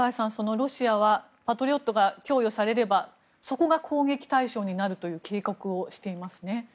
ロシアはパトリオットが供与されればそこが攻撃対象になるという警告をしていますね。